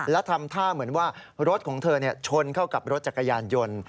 และทำท่าเหมือนว่ารถของเธอชนเข้ากับรถจักรยานยนต์